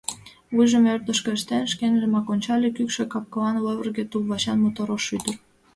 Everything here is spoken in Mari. Вуйым ӧрдыжкӧ ыштен, шкенжымат ончале: кӱкшӧ кап-кылан, лывырге туп-вачан мотор ош ӱдыр.